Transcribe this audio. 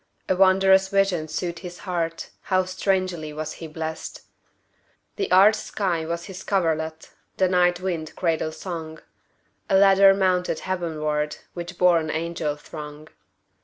A wondrous vision soothed his heartHow strangely was he blessed! The arched sky was his coverlet, The night wind cradle song;A ladder mounted heavenwardWhich bore an angel throng.